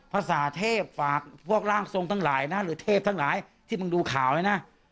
ภาษาเทพฝากพวกร่างทรงทั้งหลายนะหรือเทพทั้งหลายที่มึงดูข่าวเลยนะ